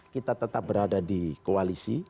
kita tetap berada di koalisi